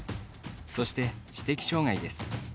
そして、知的障がいです。